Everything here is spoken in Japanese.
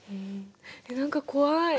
何か怖い。